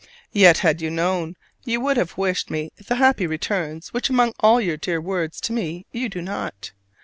Yet had you known, you would have wished me the "happy returns" which among all your dear words to me you do not.